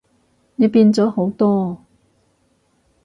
你變咗好多